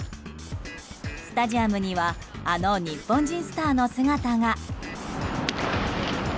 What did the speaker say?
スタジアムにはあの日本人スターの姿が。